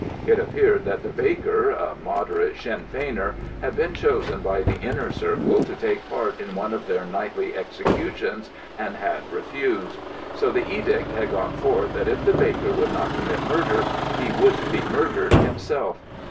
It appeared that the baker, a moderate Sinn Feiner, had been chosen by the Inner Circle to take part in one of their nightly "executions," and had refused. So the edict had gone forth that if the baker would not commit murder, he should be murdered himself.